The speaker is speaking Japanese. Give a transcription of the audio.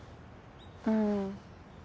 うん。